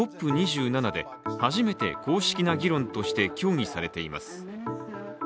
ＣＯＰ２７で初めて公式な議論として協議されています。